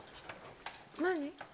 何？